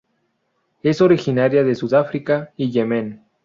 Es originaria de Sudáfrica y Yemen.